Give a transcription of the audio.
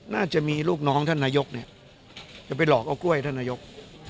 น่าจะมีลูกน้องท่านนายกเนี่ยจะไปหลอกเอากล้วยท่านนายก